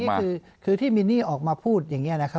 ประเด็นนี้คือที่มีนี่ออกมาพูดอย่างนี้นะครับ